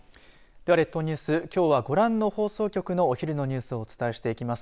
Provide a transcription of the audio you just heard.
では列島ニュースきょうはご覧の放送局のニュースをお伝えします。